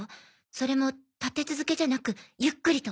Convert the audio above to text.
それも立て続けじゃなくゆっくりと。